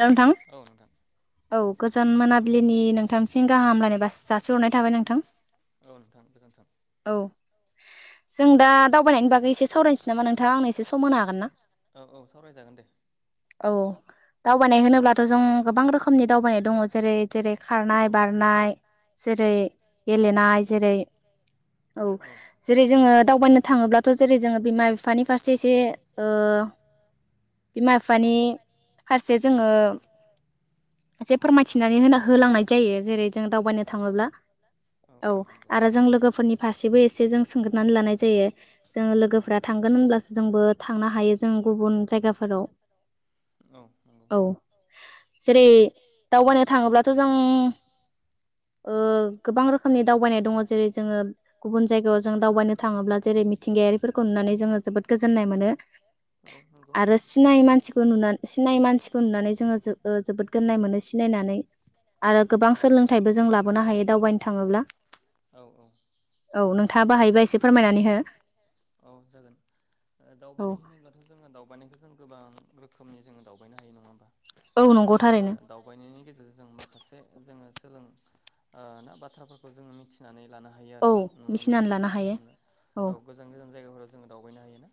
हेल' नोंथां औ गोजान मोनाबिलिनि नोंथांनिसिम गाहाम हामलायनाय बास जासिहरनाय थाबाय नोंथां औ जों। दा दावबायनायनि बागै एसे सावरायनोसै नामा नोंथाङा आंनो एसे सम होनो हागोन ना औ औ। दावबायनाय होनोब्लाथ' जों गोबां रोखोमनि दावबायनाय दङ जेरै जेरै खारनाय बारनाय जेरै गेलेनाय जेरै औ जेरै जोङो। दावबायनो थाङोब्लाथ' जेरै जोङो बिमा बिफानि फारसे एसे ओ बिमा बिफानि। फारसे जोङो एसे फोरमायथिनानै होन होलांनाय जायो जेरै जों दावबायनो थाङोब्ला औ आरो जों लोगोफोरनि फारसेबो एसे जों सोंग्रोनानै लानाय। जायो जों लोगोफोरा थांगोन होनब्लासो जोंबो थांनो हायो जों गुबुन जायगाफोराव। औ जेरै दावबायनो थाङोब्लाथ' जों ओ गोबां रोखोमनि दावबायनाय दङ जेरै जोङो गुबुन जायगायाव जों दावबायनो। थाङोब्ला जेरै मिथिंगायारिफोरखौ नुनानै जोङो जोबोद गोजोननाय मोनो आरो सिनाय मानसिखौ नुनानै। मानसिखौ नुनानै जोङो ओ जोबोद गोजोननाय मोनो सिनायनानै आरो गोबां सोलोंथाइ बो जों लाबोनो हायो दावनो थाङोब्ला औ नोंथाङा बो हायो। नोंथांआबो हायोबा एसे फोरमायनानै हो औ जागोन दावबायनाय होनोब्लाथ' जोङो दावबायखौ जों। गोबां रोखोमनि जोङो दावबायनो हायो नङा होनबा। दा जोङो दावबायनायनि गेजेरजों जों माखासे जोङो। ओं ओ ना बाथ्राफोरखौ जोङो मिथिनानै। लानो हायो आरो ना नुनो मोनैखौ। औ गोजान गोजान जायगाफ्राव जोङो दावबायनो हायोना।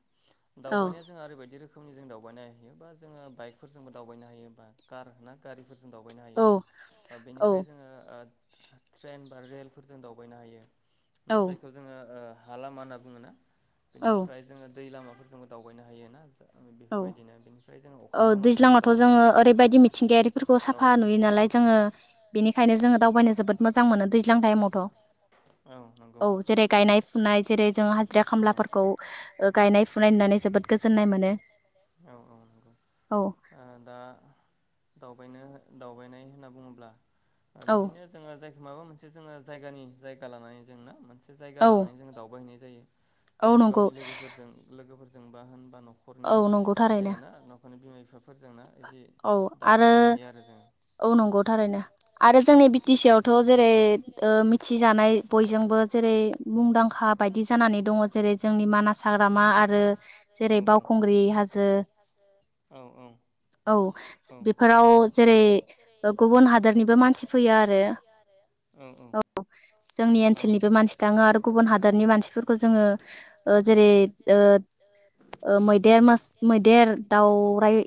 दावबायनाया जोंहा ओरैबायदि रोख रोखोमनि जों दावबायनो हायो बा जोङो बाइकफोरजोंबो दावबायनो हायो बा कार ना गारि। बेफोरजों दावबायनो हायो बेनिफ्राय जोङो ओ ट्रेन बा रेलफोरजों दावबायनो हायो ना जायखो ओ ओ हा लामा होनना बुङो ना। बेनिफ्राय जोङो दै लामाफोरजोंबो दावबायनो हायो ना। औ औ दैज्लाङावथ' जोङो ओरैबायदि मिथिंगायारिफोरखौ साफा नुयो नालाय जोङो बेनिखायनो जोङो। दावबायनो जोबोद मोजां मोनो दैज्लां टाइमावथ'। औ जेरै गायनाय फुनाय जेरै जों हाजिरा खामलाफोरखौ ओ गायनाय फुनाय नुननानै जोबोद गोजोननाय मोनो। औ औ ओ दा दा औ। बायनो दावबायनाय होनना बुङोब्ला। बिदिनो जोङो जायखौ माबा मोन मोनसे जोङो जायगानि जायगा लानानै जोंना मोनसे जायगा लांनानै जों दावबायहैनो होयो। जेरैहाय गावनि लोगोफोरजों लोगोफोर जोंबा होनबा न औ नंगौ। एना नखरनि [unintelligible] औ आरो औ नंगौ थारैनो आरो जोंनि बि टि सि आवथ' जेरै ओ मिथिजानाय बयजोंबो जेरै मुंदांखा बायदि जानानै दङ जेरै जोंनि मानास हाग्रामा आरो जेरै बावखुंग्रि हा औ औ। औ बेफोराव जेरै गुबुन हादरनिबो मानसि फैयो आरो। औ जोंनि ओनसोलनिबो मानसि थाङो आरो गुबुन हादरनि मानसिफोरखौ जोङो जेरै ओ ओ मै देर मास मैदेर दावराय।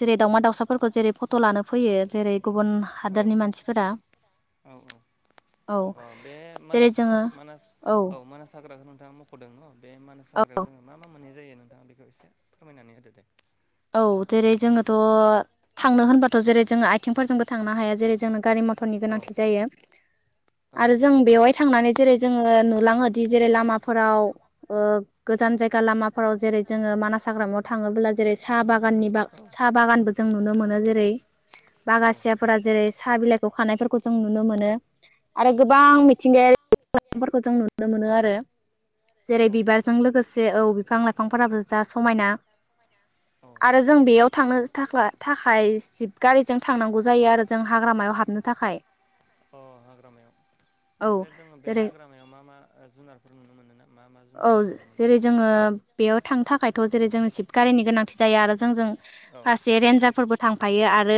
जेरै दावमा दाउसाफोरखौ जेरै फट' लानो फैयो जेरै गुबुन हादोरनि मानसिफोरा औ जेरै जोङो औ नोंथांआ मखदों न? बे मानास हाग्रायाव जोङो मा मा मोननाय जायो? नोंथांआ बेखौ इसे फोरमायनानै होदो दे। औ जेरै जोङोथ' थांनो होनबाथ' जेरै जोङो आइथिंफोरजोंबो थांनो हाया जेरै जोंङो गारि मथरनि गोनांथि जायो आरो जों बेवहाय थांनानै जेरै जोङो नुलाङोदि जेरै लामाफोराव ओ गोजान जायगा लामाफोराव जेरै जोङो मानास हाग्रामायाव थाङोब्ला साहा बागाननि बा साहा बागानबो जों नुनो मोनो जेरै बागासियाफोरा जेरै साहा बिलाइखौ खानायफोरखौ जों नुनो मोनो आरो गोबां मिथिंगायारिफोरखौ जों नुनो मोनो आरो जेरै बिबारजों लोगो से औ बिफां लाइफांफोराबो जा समायना आरो जों बेयाव थांनो थाख्ला थाखाय जिब गारिजों थांनांगौ जायो आरो जों हाग्रामायाव हाबनो थाखाय। ओमफ्राय जोङो बे हाग्रामायाव मा मा जुनारफोर नुनो मोनो? औ जेरै जोङो बेयाव थांनो थाखाय थ' जेरै जोंनि जिब गारिनि गोनांथि जायो आरो जोंजों फारसे रेन्जारफोरबो थांफायो आरो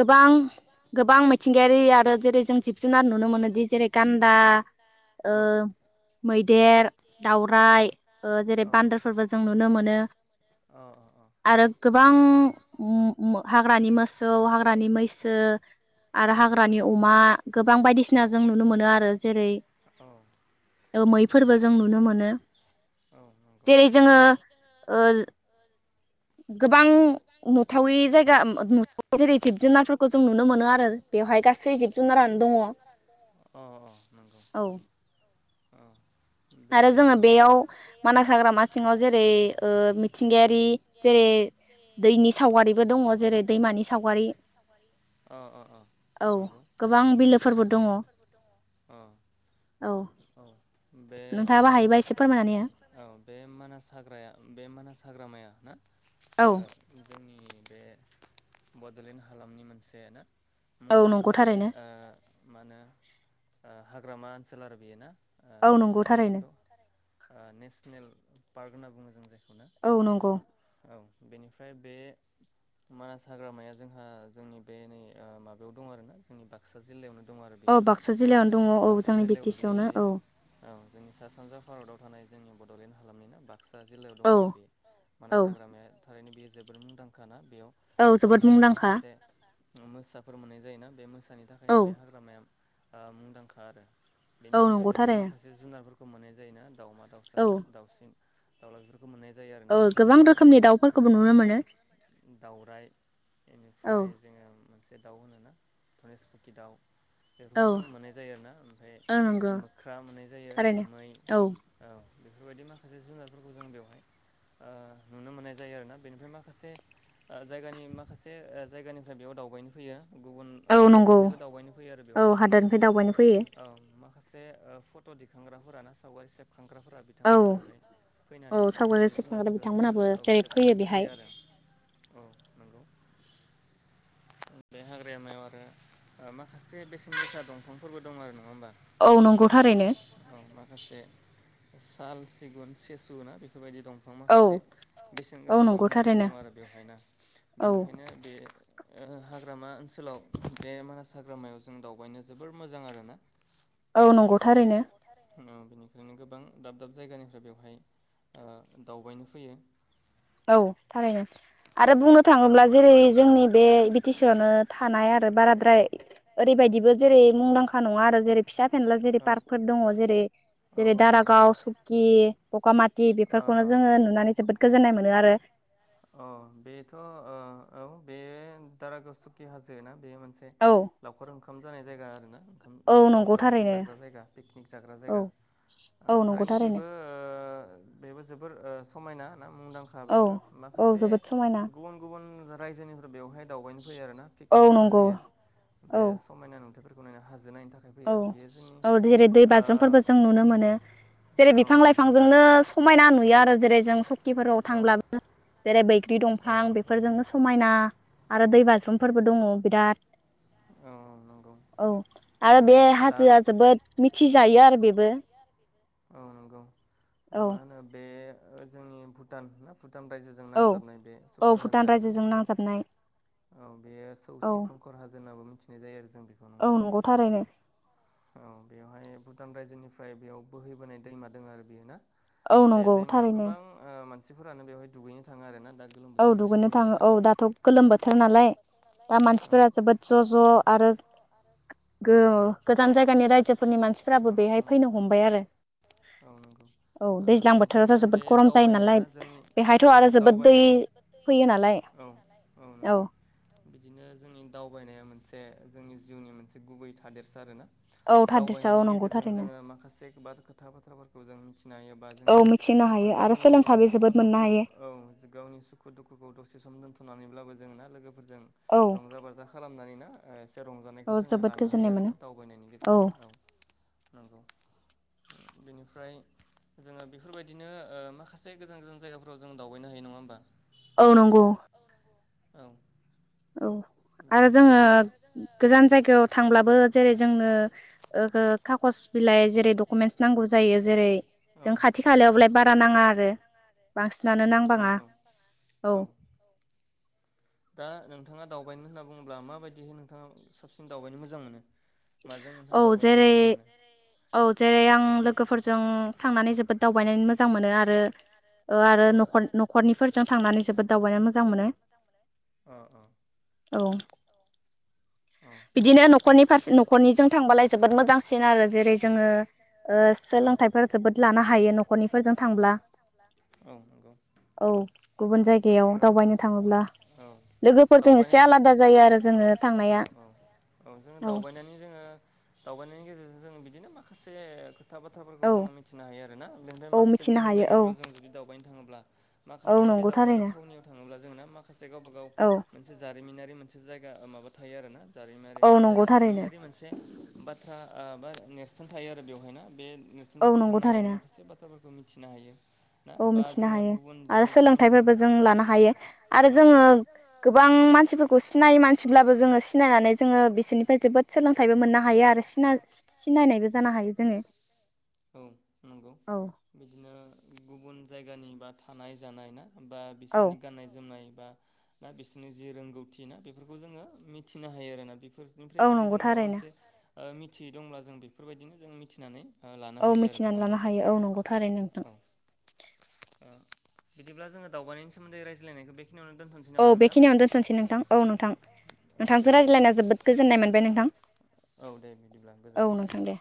गोबां गोबां मिथिं गारि आरो जेरै जों जिब जुनार नुनो मोनोदि जेरै गान्दा ओ मैदेर दावराइ ओ जेरै बान्दोफोरबो जों नुनो मोनो आरो गोबां उम उम हाग्रानि मोसौ हाग्रानि मैसो आरो हाग्रानि अमा गोबां बायदिसिना जों नुनो मोनो आरो जेरै ओ मैफोरबो जों नुनो मोनो जेरै जोङो ओ गोबां नुथावै जायगा जेरै जिब जुनारफोरखौ जों नुनो मोनो आरो बेवहाय गासै जिब जुनारानो दङ औ। आरो जोङो बेयाव मानास हाग्रामा सिङाव जेरै ओ मिथिंगायारि जेरै दैनि सावगारिबो दङ जेरै दैमानि सावगारि औ गोबां बिलोफोरबो दङ औ। औ बे मानास औ बे मानास हाग्राया बे मानास हाग्रामाया [inaudible] ओ जोंनि बे बड'लेण्ड हालामनि मोनसे ना मुंदांखा बे ओ माहोनो ओ हा हाग्रामा ओनसोल आरो थायोना ओ मा होनो बेखौ नेसनेल पार्क होनना बुङो जों जाय औ नंगौ। बेनिफ्राय बे मानास हाग्रामाया जोंहा जोंनि बे नै ओ माबायाव दं आरोना जोंनि बाक्सा जिल्लायावनो दं। औ बाक्सा जिल्लायावनो दङ औ जोंनि बि टि सि गोग्लैयो बेयो औ जोंनि सा सानजा भारताव थानाय जोंनि बड'लेण्ड हालामनि बा बाक्सा जिल्लायाव दं आरो बे मानास हाग्रामाया थारैनो बे जोबोर मुंदांखाना। बेयाव जोङो माखासे मोसा फोर मोननाय जायोना बे मोन दानि थाखायनो बे हाग्रामाया आ मुंदांखा आरो। बेनि अनगायैबो जों माखासे जुनारफोर खौ मोननाय जायोना। दाउमा दाउसानो दाउसिन [unintelligible] खौ मोननाय जायो आरो ना माखासे दाउ ना दाउराइ बेनिफ्राय जोङो मोनसे बे दाउ होनोना धनेसपुखि दाउ बेफोरखौ जों मोननाय जायो आरो ना आमफाय मोख्रा मोननाय जायो मै औ।। बेफोरबायदि माखासे जुनारफोरखौ जोंङो बेवहाय नुनो मोननाय जायो आरोना बेनिफ्राय माखासे जायगानि माखासे जायगानिफ्राय बेयाव दावबायनो फैयो। गुबुन हादोरनिफ्रायबो दावबायनो फैयो आरो बेवहायना माखासे औ। से फट दिखांग्राफोराना सावगारि सेब खांग्राफोरा बिथांमोना बेवहाय फैनानै माखासे जिब जुनारफोरखौ औ सेबखांफैयो आरो औ। नंगौ बे हाग्रामायाव आरो माखासे बेसेन गोसा दंफांफोरबो दं आरो नङा होमबा। औ नंगौ थारैनो। साल सिगुन सेसु ना बे बेफोरबायदि दंफां माखासे बेसेन गोसा दंफांफोर दं आरो बेवहायना बेनिखायनो बे हाग्रामा ओनसोलाव बे मानास हाग्रामायाव जों दावबायनो जोबोर मोजां आर ना औ नंगौ थारैनो। बेनिखनो गोबां दाब दाब जायगानिफ्राय बेवहाय दावबायनो फैयो। औ थारैनो। आरो बुंनो थाङोब्ला जेरै जोंनि बे [unintelligible] आवनो थानाय आरो बाराद्राय ओरैबायदिबो जेरै मुंदांखा नङा आरो जेरै फिसा फेनला जेरै पार्कफोर दङ जेरै जेरै दारागाव सुकि बगामाथि बेफोरखौनो जोङो नुनानै जोबोद गोजोननाय मोनो। आरो। बे दारागावसुकि हाजोना बे मोनसे लावखार ओंखाम ओंखाम जानाय जायगा आरो ना। ओं लावखार ओंखाम जाग्रा जायगा पिकनिक जाग्रा जायगा थारैनो बेबो बेबो जोबोर ओ समायना। ना मुंदांखा बेबो माखासे गुबुन गुबुन गुबुन रायजोनिफ्राय बेवहाय दावबायनो फैयो आरोना पिकनिक जानो फैयो बे समायना नुथायफोरखौ गनायनो हाजो नाय- औ औ जेरै दै बाज्रुमफोरबो जों नुनो मोनो जेरै बिफां लाइफांजोंनो समायना नुयो आरो जेरै जों सु खिफोराव थांब्लाबो जेरै बैग्रि दंफां बेफोरजोंनो समायना। आरो दै बाज्रुम फोरबो दङ बिराद औ औ नंगौ। आरो बे हाजोआ जोबोद मिथिजायो आरो बेबो औ। बे जोंनि भुटान ना [unintelligible] भुटान रायजोजों नांजाबनाय बे सुकि हाजो आरोना बेखौ औ बेयो सौसिखंखर हाजो। बयबो मिथिनाय जायो आरो बेखौ नङा होनब्ला औ बेवहाय भुटान रायजोनि ओमफ्राय बेयाव बोहैबोनाय दैमा दङ आरो बियो ना? बे दैमायाव गोबां ओ मानसिफोरानो बेवहाय दुगैनो थाङो आरोना? औ दुगैनो थाङो औ दाथ' गोलोम बोथोर नालाय दा मानसिफोरा जोबोद ज' ज' आरो गो-गोजान जायगानि रायजोफोरनि मानसिफोराबो बेहाय फैनो हमबाय आरो। औ नंगौ ओ बेनिखायनो बे दावबायनायानो जोंनि औ दावबायनाय औ औ नंगौ बिदिनो जोंनि दावबायनाया मोन से जोंनि जिउनि मोनसे गुबै थादेरसा आरो ना। दावबायनायनि गेजेरजों जोङो माखासे गोबां बाथ्राफोरखौ जों मिथिनो बा जोङो गावनि सुखु दुखु औ गावनि सुखु दुखुखौ दसे सम दोन्थ'नानै होमब्लाबो जोंङोना लोगो फोरजों रंजा बाजा खालामनानै ना ओयस रंजानायखौ जोङो लानो हायो आरोना दावबायनायनि गेजेरजों औ नोंगौ बेनिफ्राय जोङो बेफोरबायदिनो ओ माखासे गोजान गोजान जायगाफोराव जों दावबायनो हायो नङा होमबा? औ नंगौ औ औ आरो जोङो गोजान जायगायाव थांब्लाबो जेरै जोंनो ओ काकस बिलाय जेरै डकिवमेन्टस नांगौ जायो जेरै जों खाथि खाल बारा नाङा आरो बांसिनानो नांबाङा औ। नोंथाङा दावबायनो होननाबुङोब्ला माबायदिहाय नोंथाङा साबसिन दावबायनो मोजां मोनो? औ जेरै औ जेरै आं लोगोफोरजों थांनानै जोबोद दावबायनानै मोजां मोनो आरो आरो नख न'खरनिफोरजों थांनानै जोबोद दावबायनो मोजां मोनो [inaudible] औ। बिदिनो न'खरनि फारसे न। निजों जों थांबालाय जोबोद मोजांसिन आरो जेरै जोङो ओ सोलोंथाइ फोरखौबो लानो हायो न'खरनिफोरजों थांब्ला [inaudible] औ गुबुन जायगायाव दावबायनो थाङोब्ला लोगोफोरजों एसे आलादा जायो आरो जोङो थां। औ औ औ जोङो दावबायनायनि जोङो दावबायनायनि गेजेरजों जों बिदिनो माखासे खो था बाथ्राफोरखौ जोङो मिथिनो हायो आरोना बिनिफाय माखासे गुबुन जायगाफोराव जों जुदि दावबायनो थाङोब्ला। माखासे बे दावबायनाय थावनियाव थाङोब्ला जोङोना से गावबा गाव मोनसे जाथ रिमिनारि मोनसे जायगा माबा थायो आरो ना। जारिमिनारि जा [unintelligible] मोनसे बाथ्रा आ बा नेस नों थायो आरो बेवहायनो बे। नेरसोनफोरखौ जों नायनानै माखासे बाथ्राफोरखौ मिथिनो हायो। ना बा जोङो गुबुन जुदि गुबुन [unintelligible] औ [unintelligible] [unintelligible] औ नोंगौ बिदिनो गुबुन जायगानि बा थानाय जानाय ना। बा बिसिनि गाननाय जोमनाय। दा बिसिनि जि रोंगौथि ना बेफोरखौ जोङो मि थिनो हायो आरोना। बिनिफ्राय जुदि जों माबा मोनसे। ओ मिथियै दंब्ला जों बेफोरबायदिनो जों मिथिनानै। औ मिथिनानै लानो हायो औ नंगौथारै नोंथां। ओ बिदिब्ला जोङो दावबायनि सोमोन्दै रायज्लायनायखौ बे खिनियावनो दोनथ'नोसै नामा नोंथां। नोंथांजों रायज्लायना जोबोद गोजोननाय मोनबाय नोंथां औ नोंथां दे।